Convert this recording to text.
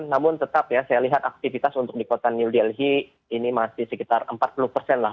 namun tetap ya saya lihat aktivitas untuk di kota new delhi ini masih sekitar empat puluh persen lah